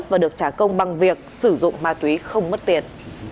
và được trả công bằng việc sử dụng ma túy không mất tiền